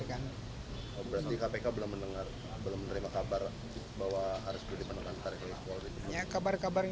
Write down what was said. berarti kpk belum menerima kabar bahwa aris buniman akan ditarik ke mabes polri